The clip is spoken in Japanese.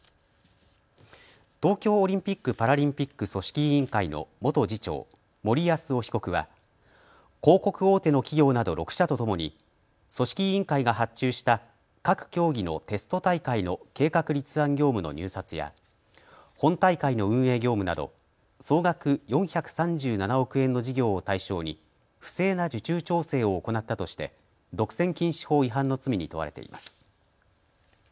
東京オリンピック・パラリンピック組織委員会の元次長、森泰夫被告は広告大手の企業など６社とともに組織委員会が発注した各競技のテスト大会の計画立案業務の入札や本大会の運営業務など総額４３７億円の事業を対象に不正な受注調整を行ったとして独占禁止法違反の罪に問われています。